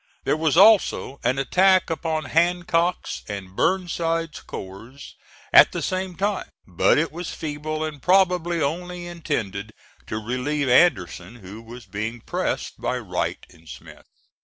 There was also an attack upon Hancock's and Burnside's corps at the same time; but it was feeble and probably only intended to relieve Anderson who was being pressed by Wright and Smith.